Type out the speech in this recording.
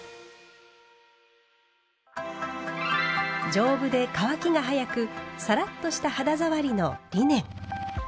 丈夫で乾きが早くサラッとした肌触りのリネン。